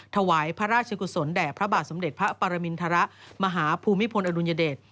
ถวายพระราชกุศลแด่พระบาทสมเด็จพระปรมินทรมาหาภูมิพลอดุลยเดช